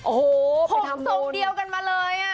โอ้โหผมทรงเดียวกันมาเลย